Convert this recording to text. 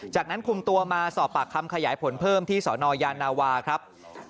จากนั้นคุมตัวมาสอบปากคำขยายผลเพิ่มที่สนยานาวาครับ